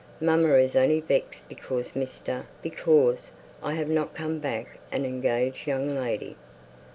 Mamma is only vexed because Mr. because I have not come back an engaged young lady."